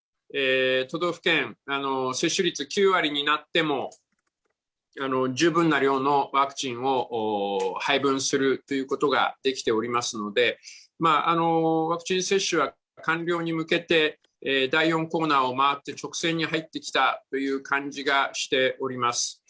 都道府県、接種率９割になっても十分な量のワクチンを配分するということができておりますので、ワクチン接種は完了に向けて、第４コーナーを回って直線に入ってきたという感じがしております。